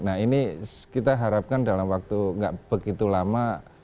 nah ini kita harapkan dalam waktu nggak begitu lama